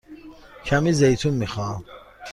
کمی زیتون می خواهم.